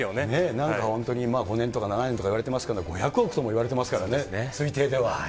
なんか本当に５年とか７年とかいわれてますけど、５００億ともいわれてますからね、推定では。